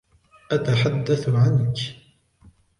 أتحدث عنك.